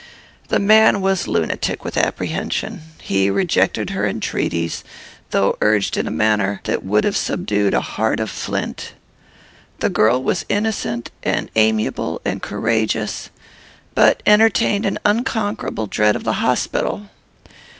"The man was lunatic with apprehension. He rejected her entreaties, though urged in a manner that would have subdued a heart of flint. The girl was innocent, and amiable, and courageous, but entertained an unconquerable dread of the hospital.